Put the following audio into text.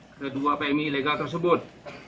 kedua pmi ilegal tersebut